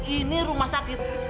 ini rumah sakit